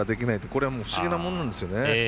これは不思議なものなんです。